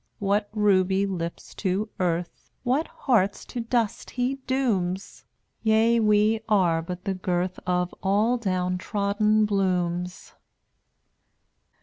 What ruby lips to earth, What hearts to dust He dooms ! Yea, we are but the girth Of all down trodden blooms.